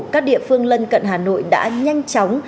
các địa phương lân cận hà nội đã nhanh chóng